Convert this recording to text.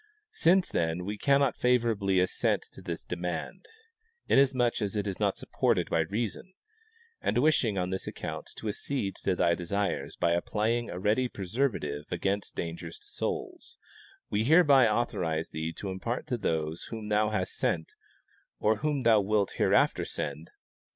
Since then we cannot favorably assent to this demand, inasmuch as it is not supported by reason, and wishing on this account to accede to thy desires by applying a ready preservative against dangers to souls, we hereby authorize thee to impart to those whom thou has sent or whom thou wilt hereafter send to the 212 W.